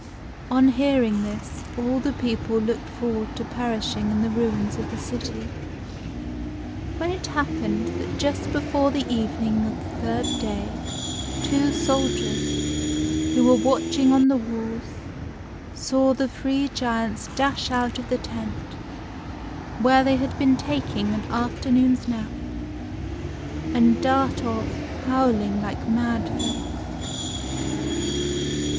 On hearing this, all the people looked forward to perishing in the ruins of the city, when it happened that just before the evening of the third day two soldiers, who were watching on the walls, saw the three giants dash out of the tent, where they had been taking an after noon's nap, and dart off, howling like mad folks.